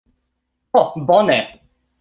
Ho bone...